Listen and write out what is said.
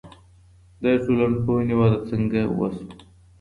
د ټولنپوهنې وده څنګه وسوه؟